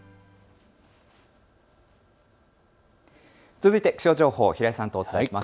続いて気象情報、平井さんとお伝えします。